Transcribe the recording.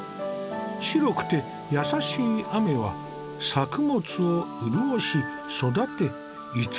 白くて優しい雨は作物を潤し育て慈しむような雨。